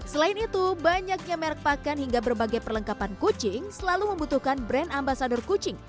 selain itu banyaknya merek pakan hingga berbagai perlengkapan kucing selalu membutuhkan brand ambasador kucing